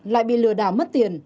lại bị lừa đảo mất tiền